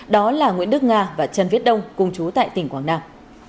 đó là nguyễn đức nga và trần viết đông cùng chú tại tỉnh quảng nam